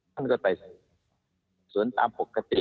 จะสวนตามปกติ